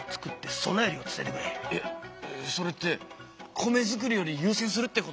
それって米作りより優先するってことですか？